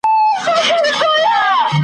پل مي له باده سره ځي نن تر کاروانه نه ځي .